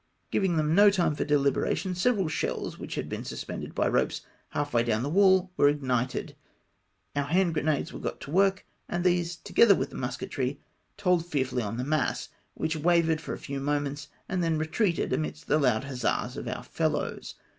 Giving them no time for dehberation, several shells which had been suspended by ropes half way down the wall, were ignited, our hand grenades were got to work, and tliese, together with the musketry, told THE ATTACK EEPULSED. 311 fearfully on tlie mass — which wavered for a few mo ments, and then retreated amidst the loud huzzas of our fellows.